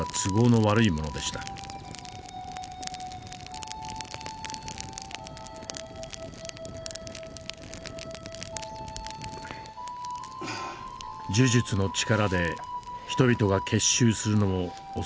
呪術の力で人々が結集するのを恐れたのです。